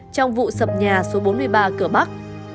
trong vụ sập nhà số bốn mươi ba cửa bắc